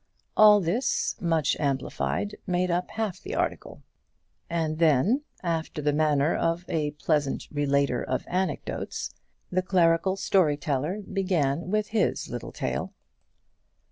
All this, much amplified, made up half the article; and then, after the manner of a pleasant relater of anecdotes, the clerical story teller began his little tale.